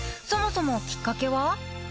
［そもそもきっかけは？］